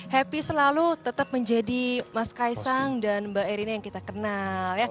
happy selalu tetap menjadi mas kaisang dan mbak erina yang kita kenal